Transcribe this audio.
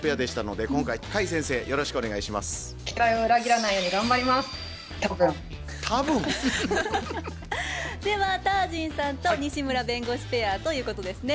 ではタージンさんと西村弁護士ペアということですね。